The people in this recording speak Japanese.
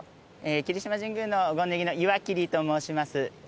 霧島神宮の権宜の岩切と申します。